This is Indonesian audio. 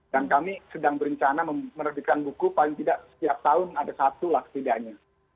dan kami sedang berencana menerbitkan buku paling tidak setiap tahun ada satu lah setidaknya